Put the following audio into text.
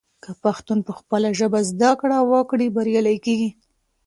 که پښتون پخپله ژبه زده کړه وکړي، بریالی کیږي.